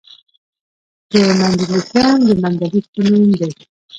د مندلیفیم د مندلیف په نوم دی.